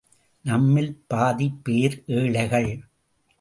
நம்மில் பாதிபேர் ஏழைகள்.